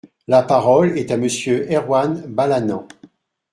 La parole est à Monsieur Erwan Balanant.